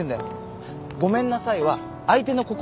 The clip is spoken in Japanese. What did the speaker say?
ごめんなさいは相手の心を開くの。